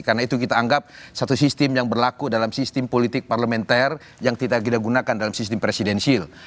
karena itu kita anggap satu sistem yang berlaku dalam sistem politik parlementer yang tidak digunakan dalam sistem presidensil